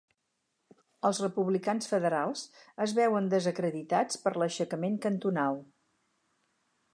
Els republicans federals es veuen desacreditats per l'aixecament cantonal.